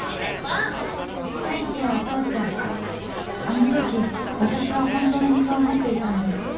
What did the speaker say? あの時私は本当にそう思っていたんです